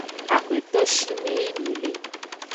Axweto shime yi mi le.